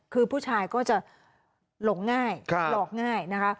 คือผู้ชายก็จะหลงง่ายหลอกง่ายนะคะ